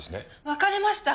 別れました！